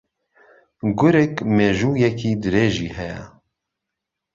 گورگ مێژوویییەکی درێژی ھەیە